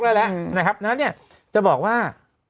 แล้ว็นั่นเนี่ยจะบอกว่า